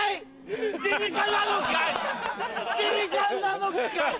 耳鼻科なのかい‼